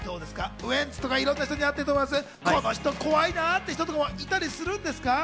ウエンツとかはいろんな人に会ってると思います、この人怖いなって人とかも、いたりするんですか？